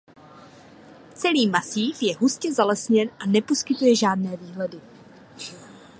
Celý masív je hustě zalesněn a neposkytuje žádné výhledy.